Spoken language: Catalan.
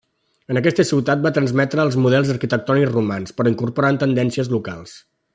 En aquesta ciutat va transmetre els models arquitectònics romans, però incorporant tendències locals.